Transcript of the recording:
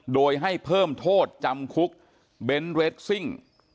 โดยให้เพิ่มโทษจำคุกเบนท์เรสซิ่ง